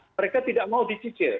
mereka tidak mau dicicil